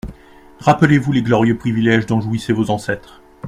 Rappelez-vous les glorieux privilèges dont jouissaient vos ancêtres.